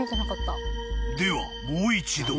ではもう一度］